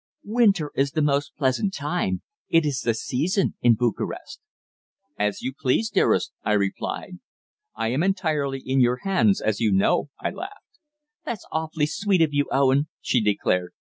"Winter is the most pleasant time. It is the season in Bucharest." "As you please, dearest," I replied. "I am entirely in your hands, as you know," I laughed. "That's awfully sweet of you, Owen," she declared.